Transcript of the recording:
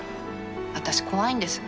私怖いんです。